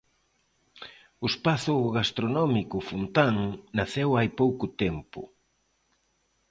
O espazo gastronómico O Fontán naceu hai pouco tempo.